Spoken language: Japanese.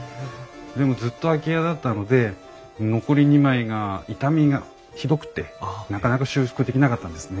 でもずっと空き家だったので残り２枚が傷みがひどくってなかなか修復できなかったんですね。